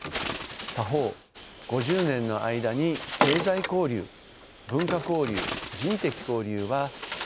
他方５０年の間に経済交流文化交流人的交流は大いに発展しました。